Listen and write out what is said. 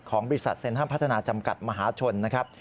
บริษัทเซ็นทรัมพัฒนาจำกัดมหาชนนะครับ